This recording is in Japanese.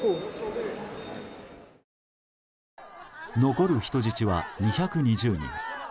残る人質は２２０人。